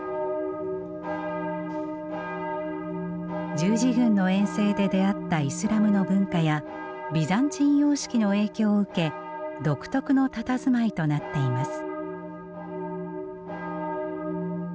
十字軍の遠征で出会ったイスラムの文化やビザンチン様式の影響を受け独特のたたずまいとなっています。